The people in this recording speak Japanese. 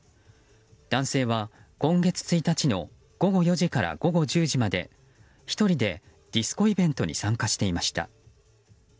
男性は、今月１日の午後４時から午後１０時まで１人でディスコイベントに参加していました。